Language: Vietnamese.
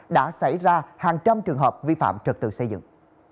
đã xảy ra hàng trăm trường hợp vi phạm trật tự xây dựng